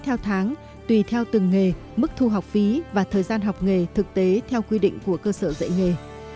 theo tháng tùy theo từng nghề mức thu học phí và thời gian học nghề thực tế theo quy định của cơ sở dạy nghề